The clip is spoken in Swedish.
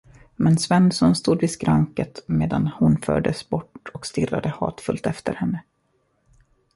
Men Svensson stod vid skranket medan hon fördes bort och stirrade hatfullt efter henne.